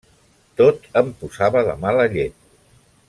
Tot em posava de mala llet.